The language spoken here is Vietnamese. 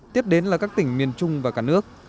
tiếp đến là các tỉnh miền trung và cả nước